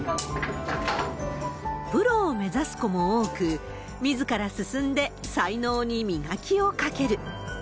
プロを目指す子も多く、みずから進んで才能に磨きをかける。